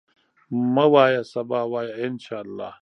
مه وایه سبا، وایه ان شاءالله.